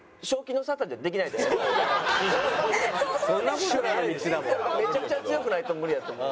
メンタルがめちゃくちゃ強くないと無理やと思う。